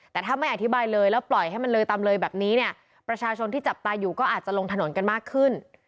แต่ถ้าไม่อธิบายเลยแล้วปล่อยให้มันเลยตามเลยแบบนี้เนี่ยประชาชนที่จับตาอยู่ก็อาจจะลงถนนกันมากขึ้น